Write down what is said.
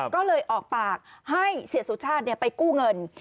ก็เลยออกปากให้เสียสุชาติไปกู้เงิน